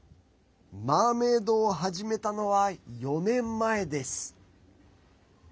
マーメードを始めたのは４年前です。